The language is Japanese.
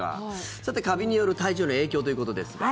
さて、カビによる体調の影響ということですが。